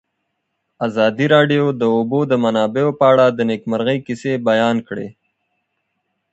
ازادي راډیو د د اوبو منابع په اړه د نېکمرغۍ کیسې بیان کړې.